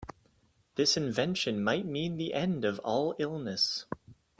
This invention might mean the end of all illness.